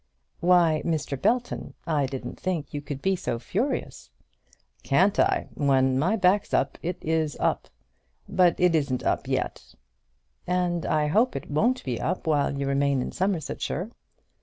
"Why, Mr. Belton, I didn't think you could be so furious!" "Can't I? When my back's up, it is up! But it isn't up yet." "And I hope it won't be up while you remain in Somersetshire."